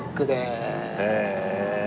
へえ。